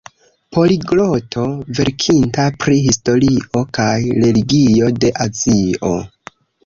Poligloto verkinta pri historio kaj religio de Azio.